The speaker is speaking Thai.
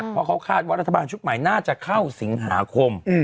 เพราะเขาคาดว่ารัฐบาลชุดใหม่น่าจะเข้าสิงหาคม